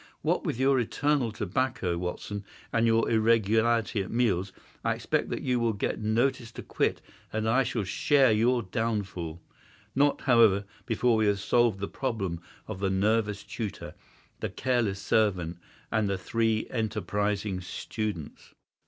What with your eternal tobacco, Watson, and your irregularity at meals, I expect that you will get notice to quit and that I shall share your downfall—not, however, before we have solved the problem of the nervous tutor, the careless servant, and the three enterprising students."